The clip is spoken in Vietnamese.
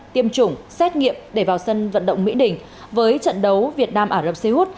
tiêm chủng xét nghiệm để vào sân vận động mỹ đình với trận đấu việt nam arab seyhut